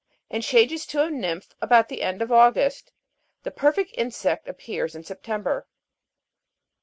and changes to a nymph, about the end of August ; the perfect insect appears in September.